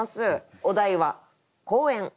お題は「公園」。